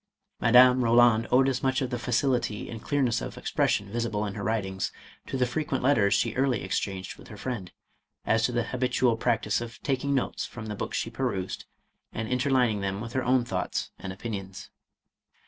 Madame Eoland owed as much of the facility and clearness of expression visible in her writings, to the frequent letters she early exchanged with her friend, as to the habitual practice of taking notes from the books she perused, and interlining them with her own thoughts and opinions.